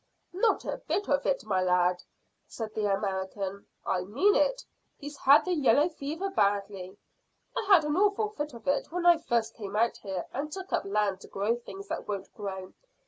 "Not a bit of it, my lad," said the American. "I mean it. He's had the yellow fever badly. I had an awful fit of it when I first came out here and took up land to grow things that won't grow.